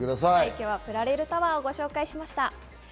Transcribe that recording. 今日はプラレールタワー、ご紹介しました。